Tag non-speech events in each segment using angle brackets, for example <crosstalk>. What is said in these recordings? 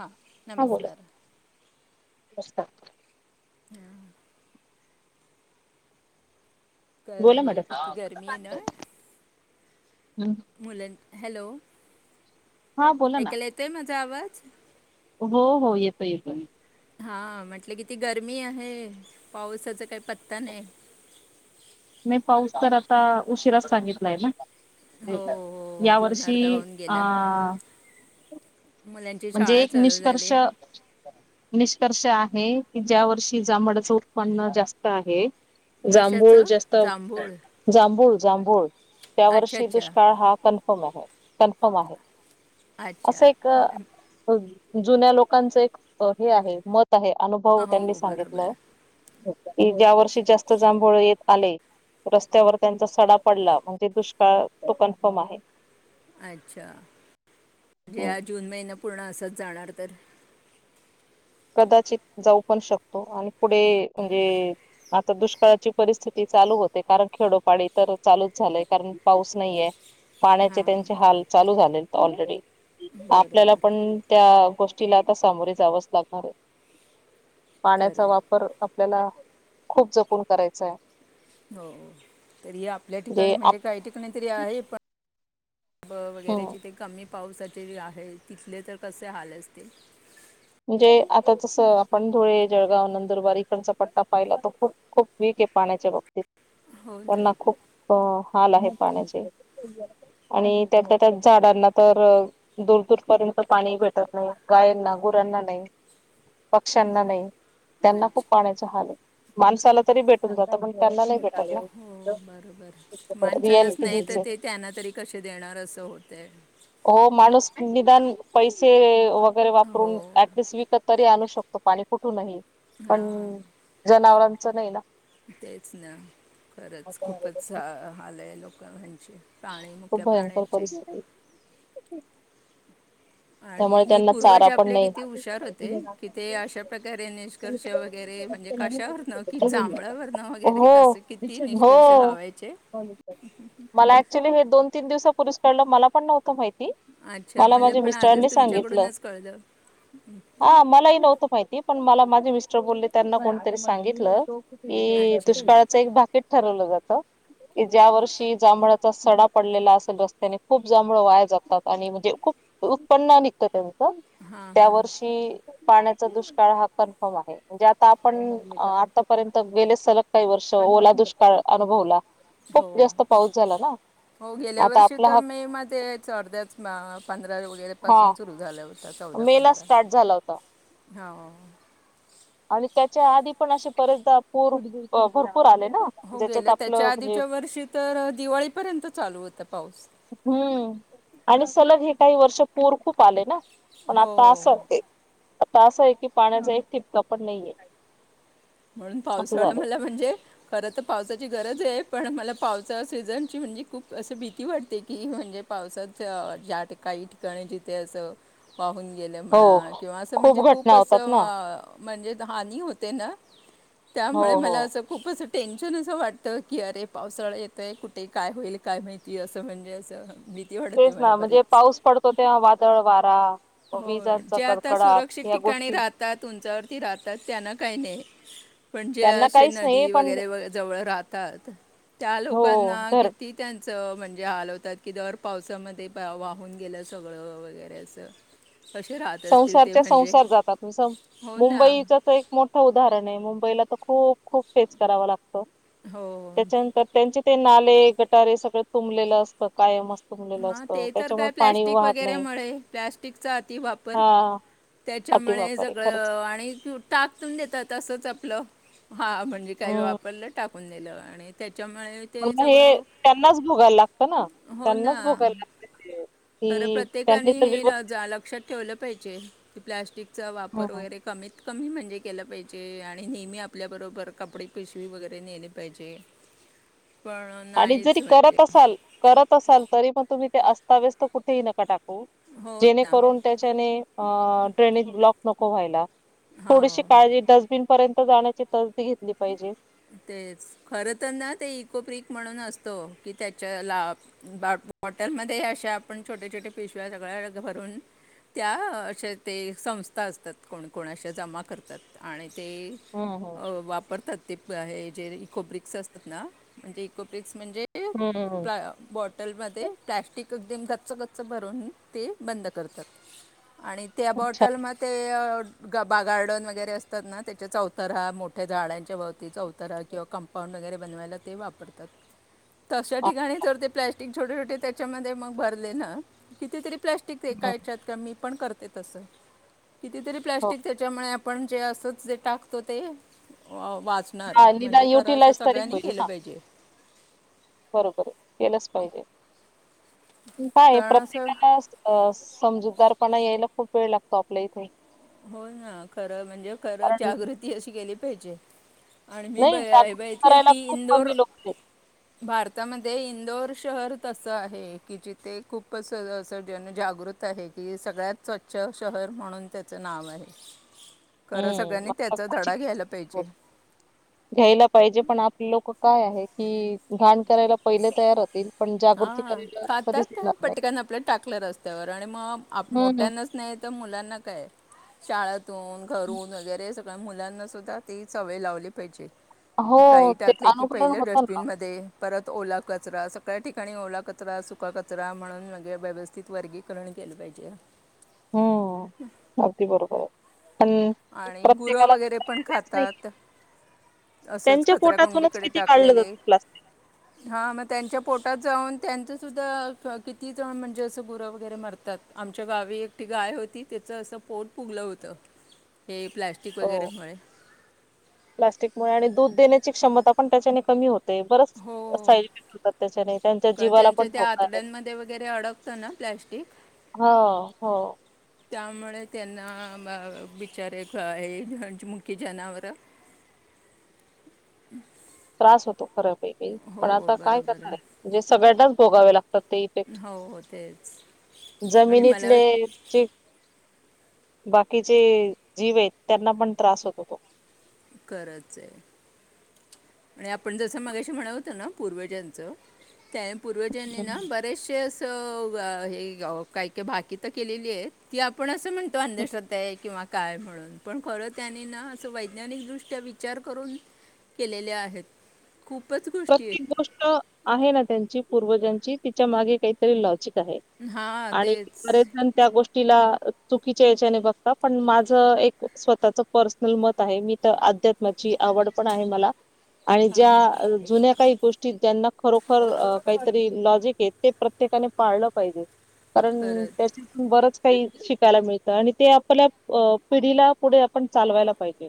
हा नमस्कार नस् हम् बोला हे मॅडम किती गरमी आहे ना मुलां हॅलो हा बोला ना ऐकायला येतोय माझा आवाज हो हो येतो येतोय हा म्हटलं किती गरमी आहे पावसाचा काही पत्ता नाही नाही पाऊस तर आता उशिरास सांगितलाय ना हो हो या जन वर्षी अर्धा होऊन अ गेला मला म्हणजे एक निष्कर्ष निष्कर्ष आहे की ज्या वर्षी जांभळाच उत्पन्न जास्त आहे. जांभूळ कशाचं जास्त जांभूळ जांभूळ, जांभूळ त्या अच्छा वर्षी अच्छा दुष्काळ हा कन्फर्म आहे कन्फर्म आहे. अच्छा. असं एक जुन्या लोकांच एक हे आहे मत अनुभव त्यांनी हो बरोबर सांगितलं की, ज्या वर्षी जास्त जांभूळ येत आले. रस्त्यावर त्यांचा सडा पडला म्हणजे दुष्काळ तो कन्फर्म आहे. अच्छा. जे हा जून महिना पूर्ण असत जाणार तर. कदाचित जाऊ पण शकतो आणि पुढे म्हणजे आता दुष्काळाची परिस्थिती चालू होते. कारण खेडोपाडी तर चालूच झालेय. कारण पाऊस नाहीये. पाण्याचे त्यांचे हाल चालू झाले ऑलरेडी. आपल्याला बरोबर पण त्या गोष्टीला आता सामोरे जावंच लाग अरे खरं पाण्याचा आहे वापर आपल्याला खूप जपून करायचं आहे. हो. तरी आपल्या ठिकाणी जे म्हणजे आप काही ठिकाणी तरी आहे, पण ब वगैरे तीथे कमी पावसाचे आहे, तिथले तर कसे हाल असतील. म्हणजे आता जसं आपण धुळे, जळगाव, नंदुरबार इकडचा पट्टा पाहिला तर खूप खूप वी क आहे पाण्याच्या बाबतीत. हो ना त्यांना खूप हाल आहे पाण्याचे आणि त्या त्या झाडांना तर दूर दूरर्ंत पाणी भेटत नाही, गायंना गुरांना नाही, पक्ष्यांना नाही. त्यांना खूप अच्छा पाण्याचा हाल आहे. माणसाला तरी भेटून जातं, पण त्यांना नाही हो भेटत. बरोबर माणसनाच रियालिटी नाही तर हीच आहे. ते त्यांना तरी कसे देणार असं होत. हो माणूस निदान पैसे वगैरे हो वापरून ऍटलिस्ट विकत तरी आणू शकतो पाणी कुठूनही. पण हां जनावरांचं नाही ना. तेच ना खरंच खूपच हाल आहे लोक म्हण च प्राणी, खूप मुख्या भयंकर प्राण्यांचे, परिस्थिती आणि त्यामुळे हे त्यांना चारा पूर्वज पण आपले नाही. किती हुशार होते कि ते अशा प्रकारे निष्कर्ष वगैरे म्हणजे कशावर न की जांभळावर न वगैरे हो कस किती निष्कर्ष हो लावायचे. मला ऍक्च्युली हे दोन तीन दिवस पूर्वी कळलं. मला पण नव्हतं माहित. अच्छा मला पण त्यांनी आजच सांगितलं. तुमच्याकडूनच कळलं हा मलाही नव्हतं माहिती. पण मला माझे मिस्टर बोले, त्यांना कोणीतरी सांगितलं की अच्छा दुष्काळाचा एक भाग ते ठरवलं जातं. की ज्या वर्षी जांभळाचा सडा पडलेला असेल रस्त्याने खूप जांभळ वाया जातात आणि म्हणजे खूप उत्पन्न निघत त्यांचं. हां त्या हां वर्षी पाण्याचा दुष्काळ हा कन्फर्म आहे. म्हणजे आता आपण आतापर्यंत गेले सलग काही वर्ष ओला दुष्काळ अनुभवला खूप हो. जास्त पाऊस झाला ना हो गेल्या आता वर्षी आपला तर हा मे मध्ये यायच अर्ध्याच हा वगैरेपसून सुरू झाल्या होत. मे ला स्टार्ट झाला होता. हो. च्या आधी पण असे बरेचदा पूर पूर हो गेलं त्याच्या आधीच्या वर्षी तर दिवाळीपर्यंत चालू होत. हम्म आणि सलग हे काही वर्ष पूर खूप आले ना. पण आता हो असं ते आता असं आहे की, पाण्याचा एक ठिपका पण नाहीये. म्हणून असं पावसाळा झालंय. मला म्हणजे खरं तर पावसाची गरज आहे. पण मला पावसाळा सीझनची म्हणजे खूप असशी भीती वाटते की म्हणजे पावसाात ज्या ठिकाणी काही ठिकाणी तिथे अस पाहून गेलं हो म्हणा किंवा असं म्हणजे घटना खूप होतात असं ना म्हणजे हानी होते ना. हो त्यामुळे हो. मला असं खूपच वा टेन्शन असं वाटतं की अरे पावसाळा येतय, कुठे काय होईल काय माहिती असं म्हणजे असं, भीती वाटते तेच मला ना म्हणजे बरीच पाऊस पडतो, तेव्हा वादळ वारा. हो विजांचा जे आता कडकडाट सुरक्षित या ठिकाणी गोष्टी राहतात उंचावरती राहतात त्यांना काही नाही. पण जे त्यांना असे काहीच नाही नदी पण वगैरे जवळ राहतात. त्या हो लोकांना तर किती त्यांच म्हणजे की दर पावसामध्ये वाहून गेलं सगळं वगैरे असं. कसे राहत असतील ते संसारच्या म्हणजे संसार जातात म्हण हो ना मुंबईच तर एक मोठं उदाहरण आहे. मुंबईला खूप खूप फे करा लागत हो त्याच्यानंतर त्यां ते नाले गटारे सगळं तुंबलेलं असतं कायम असतं. हा ते तर त्याच्यामुळे काय पाणी प्लॅस्टिक वाहत नाही वगैरेमुळेळे प्लॅस्टिकचा अति वाप र हा त्याच्यामुळे अतिवापर आहे खरंच. सगळं आणि टाक त देतात असंच आपलं. हा म्हणजे काही हम्म. वापरलं टाकून दिलं आणि त्या म हे त्यांनाच भोगायला लागत ना हो ना त्यांनाच भोगायला लागत. खरं प्रत्येकाने हे लक्षात ठेवलं पाहिजे प्लस्टिक चा वापर हं वगैरे कमीत कमी म्हणजे केलं पाहिजे आणि नेहमी आपल्या बरोबर कपडे पिशवी वगैरे नेले पाहिजे. ह. आणि जरी करत असाल करत असाल तरी पण तुम्ही ते अस्ताव्यस तर कुठेही नका टाकता. कु हो ना जेणेकरून त्याच्याने ड्रेनेज ब्लॉक नको व्हायला. थोडीशी हो काळजी डस्टबिन पर्यंत जाण्याची त तेच खर तर ना ते इकोपिक म्हणून असत. की त्याच्या बॉटलमध्ये अशा आपण छोट्या छोट्या पिशव्या सगळ्या भर पण त्या असे ते संस्था असतात कोण कोण असे जमा करतात आणि ते हं वाप ते ज इकोब्रिक्स असतात ना म्हणज ते इकोब्रिक्स म्हणजे हं हं प् बॉटलमध्ये प्लॅस्टिक एकगदीम गच्च गच्च भरून ते बंद करतात. आणि त्या अच्छा बॉटलमध्ये ते ग बा गार्डन वगैरे असतात ना त्याच्या चौतार मोठ्या झाडांच्या भवती चौ तर किंवा कंपाऊंड बनवाएला वापतात तसा अ, ठिकाणी जर ते प्लास्टिक छोटे छोटे त्याच्यामध्ये मग भरले ना कितीतरी हं प्लास्टिककायच्या मी पण करत ते तस कितीतरी हो प्लस्टिक त्याच्यामुळे आपण जे असच जे टाकतो ते वाचणार हा म्हणजे निदान खरं असं युटिलाइज तरी सगळ्यांनी होईल केलं ना पाहिजे. बरोबर आहे केलंच पाहिजे. काय कारण असं प्रत्येकाला अ समजूतदारपणा यायला खूप वेळ लागतो आपल्या इथे हो ना खरं म्हणजे खरं कारण जागृती अशी केली पाहिजे. आणि मी ब नाही हे जागृत बघितले करायला की खूप इंदोर कमी लोक आहेत. भारतामध्ये इंदोर शहर तसं आहे की जिथे खूप असं जनजागृत आहे कि सगळ्यात स्वच्छ. शहर म्हणून त्याचं नाव आहे. खर हम्म. सगळ्यांनी आता त्याचा धडा क्वचितच घ्यायला हो पाहिजे. घ्यायला पाहिजे पण आपले लोक काय आहे कि, घाण करायला पहिले तयार होतील. पण जागृती हा करायला कधीच खातात येणार नाही. पटकन आपल्या टाकलं रस्त्यावर आणि मग हम्म, मोठ्यानाच नाही तर, मुलांना काय? शाळ तिथून हम्म. घरून वगैरे सगळ्या मुलांनास सुद्धा ती चवय लावली पाहिजे. हो क काही ते टाकले की अनुकरण पहिले होतं ना. डस्टबिन मध्ये परत ओला कचरा. सगळ्या ठिकाणी ओला कचरा सुका कचरा म्हणूने व्यवस्थित वर्गीकरण केलं पाहिजे. हम्म अगदी बरोबर आहे. आणि गुरं वगैरे पण प्रत्येकालाच नाही. खातात असंच त्यांच्या पोटातूनच किती काढलं जातं प्लास्टिक. हा मग त्यांच्या पोटात जाऊन त्यांच. सुद्धा किती जण म्हणजे असं गुरं वगैरे मरतात आमच्या गावी एकटी गाय होती त्याच असं. पोट पुगलं होत हे प्लस्टिक वगैरे हो. मु. प्लास्टिकमुळे आणि दूध देण्याची क्षमता पण त्याच्याने कमी होते. बरच हो साईड इफेक्ट होतात त्याच्याने त्यांच्या कारण जीवाला त्यांच्या पण त्या धोका आहे. आतड्यांमध्ये वगैरे अडकतं ना प्लॅस्टिक. हो हो. त्यामुळे त्यांना बिचारे हे मुखी जनावरं. हम्. त्रास होतो. फरक आहे पण आता काय करणार आहे म्हणजे सगळ्यांनाच भोगावे लागतात ते इफेक्ट. हो हो तेच आणि मला जमिनीतलेची जे. बाकीचे जीव आहेत त्यांना पण त्रास होत हो तो. खंरच आहे. आणि आपण जस माग्याशी म्हणा होतं ना पूर्वज्यांच त्या. पूर्वजांनीना हम्म बरेचशसे. काही का भाकी तर केलेली आहे ती आपण असं म्हणतो अंधश्रद्धा आहे किंवा. म्हणून पण खर त्यांनी ना वैज्ञानिक दृष्ट्या विचार करून केले ल्या आहेत. प्रत्येक गोष्ट आहे ना त्यांची पूर्वजांची तिच्या मागे काहीतरी लॉजिक. हां आणि तेच बरेच जण त्या गोष्टी. चुकीच्या याच्याने बघता पण माझं एक स्वतःच पर्सनल मत आहे मी. अध आवड पण आहे मला आणि ज्या. जुन्या काही गोष्टी ज्यांना खरोखर काहीतरी लॉजिक आहेत ते प्रत्येकाने पाळलं पाहिजे. कारण खरंच त्याच्याून बरच. काही शिकायला मिळत आणि ते आपल्या पिढीला पुढे आपण चालवायला पाहिजे.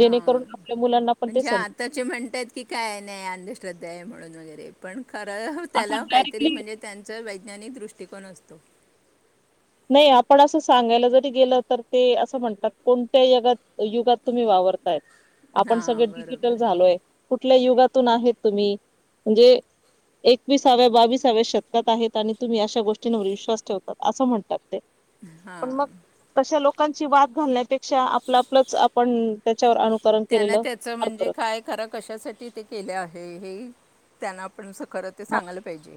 हा आपल्या मुलांना पण ते म्हणजे समज आताचे म्हणतय की काय नाही अंध श्रद्धा आहे म्हणून वगैरे पण खरं त्याला असं काहीतरी डायरेक्टली म्हणजे त्यांचंका ज्ञनी दृष्टिकोन असतो. नाही आपण अस सांगायला जरी गेलं तर ते असं म्हणतात कोणत्या यगात युगात तुम्ही वा आपण सगळे हां डिजिटल बरोबर झालोय कुठल्या युगात. आहेत तुम्ही म्हणजे. एकविसाव्या बावीसाव्या शतकात आहेत आणि तुम्ही अशा गोष्टींवर विश्वास ठेवतात असं म्हणत. हां पण मग कशा लोक. लोकांची वाद घालण्यापेक्षा आपला आपलं आपण त्याच्यावर अु त्यांना त्याच म्हणजे काय करा कशासाठी ते केले आहे हे त्यांना आपण खरं ते हा सांगलं पाहिजे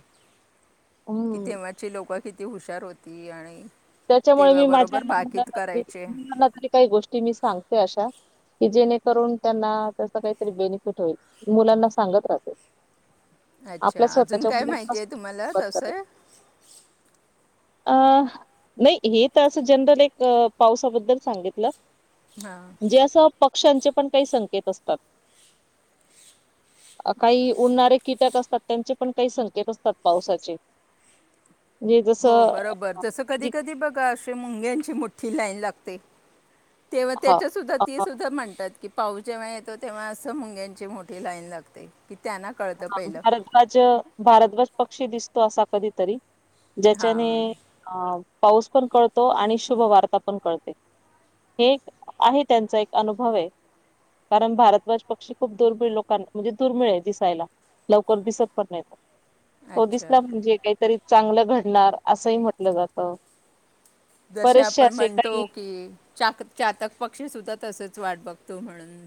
कि हम्म तेव्हाची लोक किती हुशार होती आणि. त्याच्यामुळे मी माझ्या तेव्हाबरोबर बाकीत मुलाना करायचे मुलांना तरी काही गोष्टी मी सांगते अशा. कि जेणेकरून त्यांना त्याच काहीतरी बेनिफिट होईल मुलांना सांगत राह. आपल्या अच्छा अजून स्वतःच्या काय मुलात माहिती कस. आहे तुम्हाला तसं अ नाही हे तर असं जनरल एक पावसाबद्दल सांगितलं. हा. वृक्षांचे पण काही संकेत असतात. काही उडणारे कीटक असतात त्यांचे पण काही संकेत असतात पावसाचे. <inaudible> म्हणजे हो जसं बरोबर जसं कधी कधी बघा अशी मुंग्यांची मोठी लाईन लागते तेव्हा हा त्याच्या सुद्धा ती हा, सुद्धा म्हणतात की पाऊस जेव्हा येतो तेव्हा असं मुंग्यांची मोठी लाईन लागते. की त्यांना कळतं हा पहिलं भारद्वाज भारद्वाज पक्षी दिसतो असा कधीतरी ज्याच्याने हां अ पाऊस पण कळतो आणि शुभ वार्ता पण कळते. हे एक आहे त्यांचा एक अनुभव आहे. कारण भारतद्वाज पक्षी खूप दुर्मिळ लोकां म्हणजे दुर्मिळ आहे. लवकर दिसत पण नाही तो अच्छा दिसला म्हणजे तरी चांगलं घडणार असंही म्हटलं जात. जसे आपण म्हणतो की चातक पक्षी सुद्धा तसच वाट बघतो म्हणून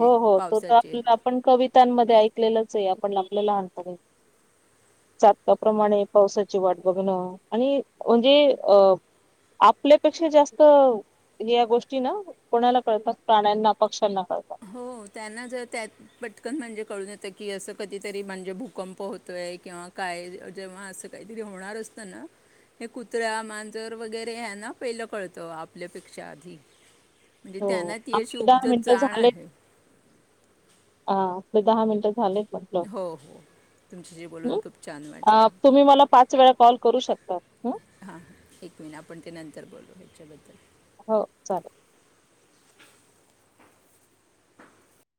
हो हो तो तर पावसाची आप आपण कवितांमध्ये ऐकलेलंच आहे आपण आपलं लहानत आहे चातकाप्रमाणे पावसाची वाट बघणं आणि म्हणजे अ आपल्यापेक्षा जास्त हे या गोष्टी ना कोणाला कळतात प्राण्यांना पक्ष्यांना कळतात हो त्यांना जर त्यात पटकन म्हणजे कळून येत कि असं कधीतरी म्हणजे भूकंप होतोय किंवा काय जेव्हा असं काहीतरी होणार असतं ना हे कुत्र्या, मांजर वगैरे आहे ना पहिलं कळतं आपल्यापेक्षा आधी म्हणजे हो. त्यांना ती अशी आपले उपजत मिनिटं जाण ह आपले दहा मिनट झाले. हो हो तुमच्याशी बोलून खूप छान वाटलं तुम्ही मला पाच वेळा कॉल करू शकता. <unintelligible> हा ऐक आपण ते नंतर बोलू ह्याच्याबद्दल हो चालेल